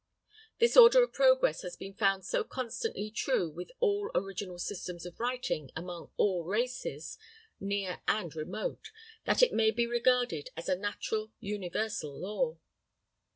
This order of progress has been found so constantly true with all original systems of writing among all races, near and remote, that it may be regarded as a natural, universal law.